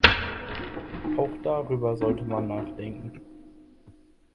Auch darüber sollte man nachdenken.